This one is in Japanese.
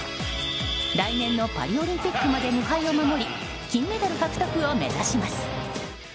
来年のパリオリンピックまで無敗を守り金メダル獲得を目指します。